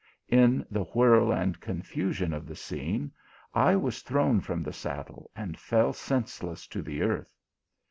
" In the whirl and confusion of the scene, I was thrown from the saddle, and fell senseless to the earth.